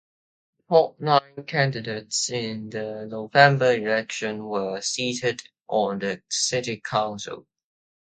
The top nine candidates in the November election were seated on the city council.